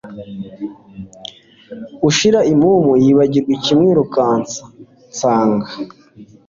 ushire impumu yibagirwa icyamwirukansa nsaga